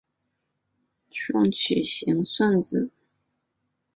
达朗贝尔算子则推广为伪黎曼流形上的双曲型算子。